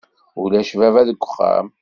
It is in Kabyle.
Ulac baba deg uxxam.